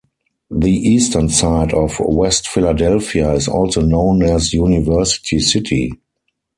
The eastern side of West Philadelphia is also known as University City.